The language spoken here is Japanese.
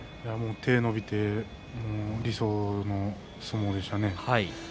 手が伸びて理想の相撲でしたね。